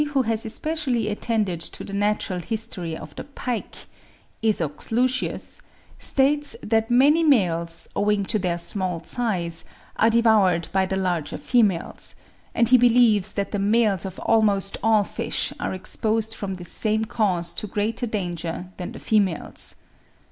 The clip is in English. who has especially attended to the natural history of the pike (Esox lucius), states that many males, owing to their small size, are devoured by the larger females; and he believes that the males of almost all fish are exposed from this same cause to greater danger than the females.